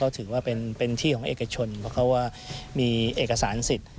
ถือว่าเป็นที่ของเอกชนเพราะเขาว่ามีเอกสารสิทธิ์